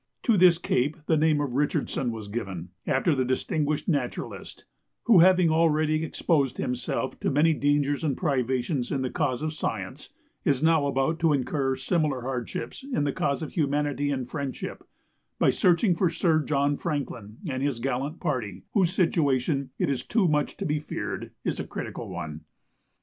To this cape the name of Richardson was given, after the distinguished naturalist, who, having already exposed himself to many dangers and privations in the cause of science, is now about to incur similar hardships in the cause of humanity and friendship, by searching for Sir John Franklin and his gallant party, whose situation, it is too much to be feared, is a critical one.